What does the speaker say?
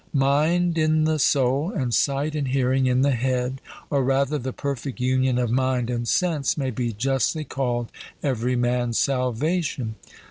Mind in the soul, and sight and hearing in the head, or rather, the perfect union of mind and sense, may be justly called every man's salvation.